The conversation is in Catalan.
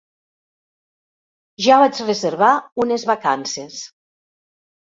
Ja vaig reservar unes vacances.